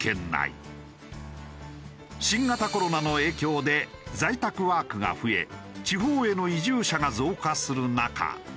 新型コロナの影響で在宅ワークが増え地方への移住者が増加する中。